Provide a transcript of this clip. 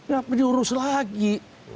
ya diurus lagi